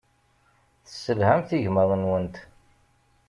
Tesselhamt igmaḍ-nwent.